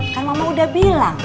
kan mama udah bilang